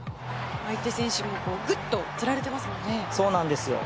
相手選手もぐっとつられてますもんね。